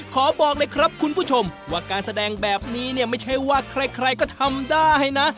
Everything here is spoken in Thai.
บอกเลยครับคุณผู้ชมว่าการแสดงแบบนี้เนี่ยไม่ใช่ว่าใครก็ทำได้นะ